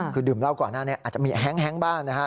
คือดื่มเหล้าก่อนนะอาจจะมีแฮ้งบ้างนะครับ